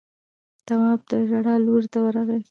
تواب د ژړا لورې ته ورغی.